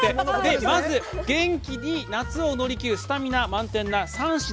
まず、元気に夏を乗り切るスタミナ満点な３品。